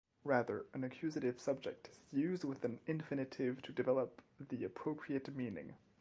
Rather, an accusative subject is used with an infinitive to develop the appropriate meaning.